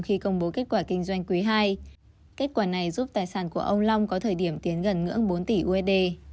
khi công bố kết quả kinh doanh quý ii kết quả này giúp tài sản của ông long có thời điểm tiến gần ngưỡng bốn tỷ usd